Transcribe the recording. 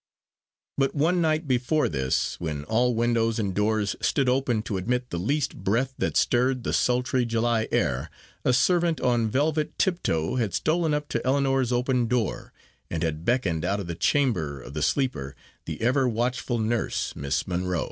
But one night before this, when all windows and doors stood open to admit the least breath that stirred the sultry July air, a servant on velvet tiptoe had stolen up to Ellinor's open door, and had beckoned out of the chamber of the sleeper the ever watchful nurse, Miss Monro.